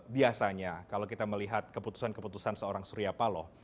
biasanya kalau kita melihat keputusan keputusan seorang surya paloh